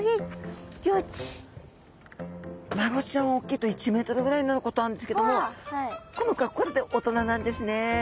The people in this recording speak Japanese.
マゴチちゃんは大きいと１ｍぐらいになることあるんですけどもこの子はこれで大人なんですね。